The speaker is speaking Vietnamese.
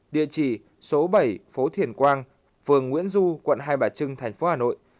địa chỉ số bảy phố thiền quang phường nguyễn du quận hai bà trưng tp hà nội